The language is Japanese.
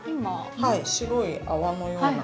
はい白い泡のような。